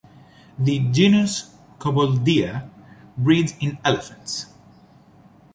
The genus "Cobboldia" breeds in elephants.